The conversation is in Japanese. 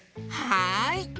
はい！